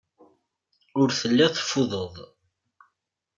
Ur telliḍ teffudeḍ.